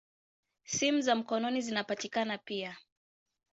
Simu za mkono zinapatikana pia.